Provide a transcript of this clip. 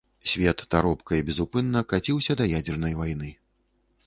Свет таропка і безупынна каціўся да ядзернай вайны.